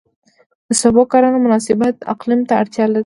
د سبو کرنه مناسب اقلیم ته اړتیا لري.